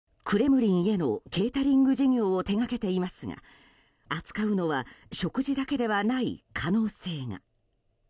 クレムリンへのケータリング事業を手がけていますが扱うのは食事だけではない可能性が。